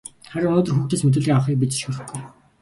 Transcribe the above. Харин өнөөдөр хүүхдээс мэдүүлэг авахыг бид зөвшөөрөхгүй.